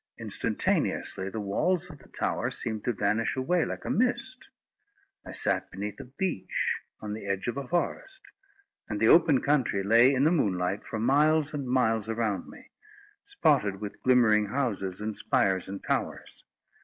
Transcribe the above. Instantaneously the walls of the tower seemed to vanish away like a mist. I sat beneath a beech, on the edge of a forest, and the open country lay, in the moonlight, for miles and miles around me, spotted with glimmering houses and spires and towers.